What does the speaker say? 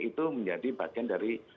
itu menjadi bagian dari